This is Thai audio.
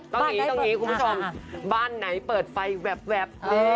ต้องนี้คุณผู้ชมบ้านไหนเปิดไฟแวบแวบ